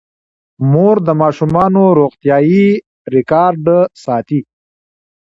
مور د ماشومانو روغتیايي ریکارډ ساتي.